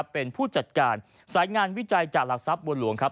เป็นผู้จัดการสายงานวิจัยจากหลักทรัพย์บัวหลวงครับ